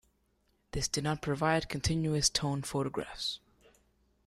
This did not provide continuous-tone photographs.